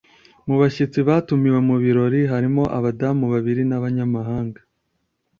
mu bashyitsi batumiwe mu birori harimo abadamu babiri b'abanyamahanga